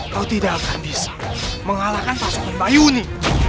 kau tidak akan bisa mengalahkan pasukan bayoni